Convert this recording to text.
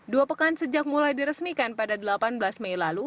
dua pekan sejak mulai diresmikan pada delapan belas mei lalu